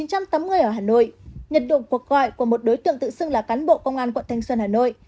nhận được cuộc gọi của một đối tượng tự xưng là cán bộ công an quận thanh xuân hà nội